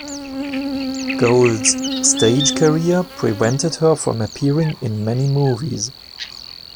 Gold's stage career prevented her from appearing in many movies.